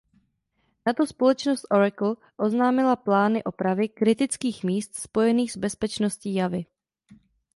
Na to společnost Oracle oznámila plány opravy kritických míst spojených s bezpečností Javy.